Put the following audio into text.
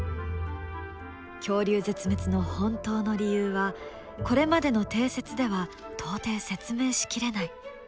恐竜絶滅の本当の理由はこれまでの定説では到底説明し切れない。